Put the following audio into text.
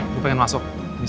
gue pengen masuk